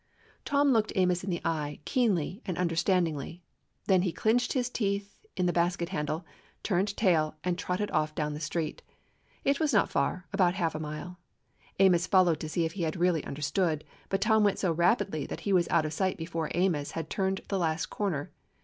Tom looked Amos in the eye, keenly and understanding^. Then he clinched his teeth in the basket handle, turned tail, and trotted off down the street. It was not far, about half a mile. Amos followed to see if he had really understood, but Tom went so rapidly that he was out of sight long before Amos had turned the last corner.